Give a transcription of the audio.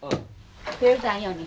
崩さんように。